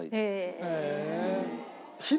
へえ。